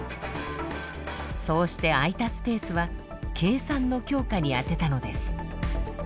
そうして空いたスペースは計算の強化に充てたのです。